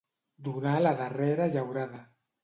Donar la darrera llaurada.